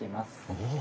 おお。